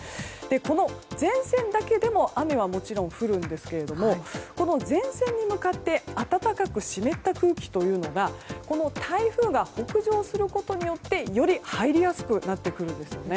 この前線だけでも雨はもちろん降るんですがこの前線に向かって暖かく湿った空気が台風が北上することによってより入りやすくなってくるんです。